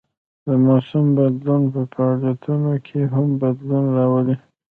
د موسم بدلون په فعالیتونو کې هم بدلون راولي